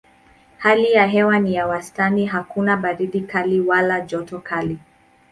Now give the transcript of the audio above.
Hali ya hewa ni ya wastani hakuna baridi kali wala joto kali.